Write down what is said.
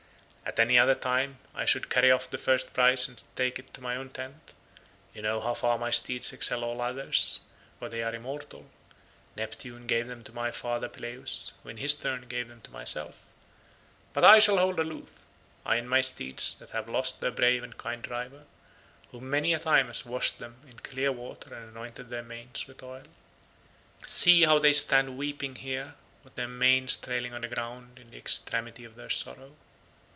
At any other time I should carry off the first prize and take it to my own tent; you know how far my steeds excel all others—for they are immortal; Neptune gave them to my father Peleus, who in his turn gave them to myself; but I shall hold aloof, I and my steeds that have lost their brave and kind driver, who many a time has washed them in clear water and anointed their manes with oil. See how they stand weeping here, with their manes trailing on the ground in the extremity of their sorrow.